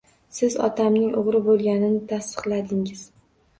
Siz otamning o`g`ri bo`lganini tasdiqladingiz